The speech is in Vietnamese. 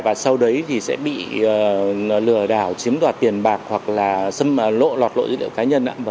và sau đấy thì sẽ bị lừa đảo chiếm đoạt tiền bạc hoặc là lộ lọt lộ dữ liệu cá nhân